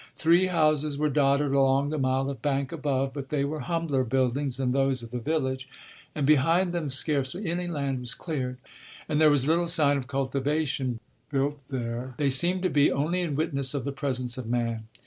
Three houses were dotted along the mile of bank above; but they were humbler buildings than those of the village, and behind them scarcely any land was cleared and there was little sign of cultivation: built there, they seemed to be, only in witness of the presence of man.